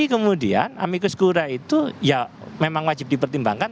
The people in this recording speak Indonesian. kemudian amikus kura itu ya memang wajib dipertimbangkan